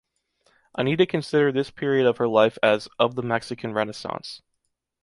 Anita considered this period of her life as “Of the Mexican Renaissance”.